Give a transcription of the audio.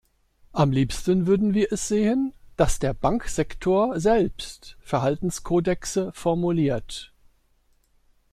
Am liebsten würden wir es sehen, dass der Banksektor selbst Verhaltenskodexe formuliert.